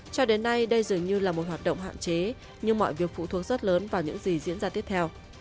cho đến nay đây dường như là một hoạt động hạn chế nhưng mọi việc phụ thuộc rất lớn vào những gì diễn ra tiếp theo